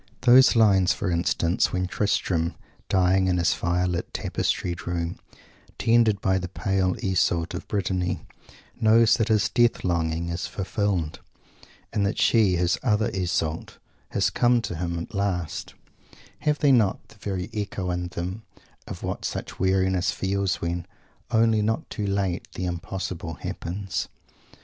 Those lines, for instance, when Tristram, dying in his fire lit, tapestried room, tended by the pale Iseult of Brittany, knows that his death longing is fulfilled, and that she, his "other" Iseult, has come to him at last have they not the very echo in them of what such weariness feels when, only not too late, the impossible happens?